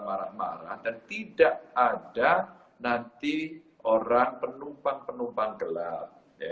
tidak ada orang marah marah dan tidak ada nanti orang penumpang penumpang gelap